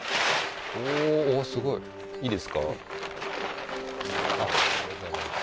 おおーすごいいいですか？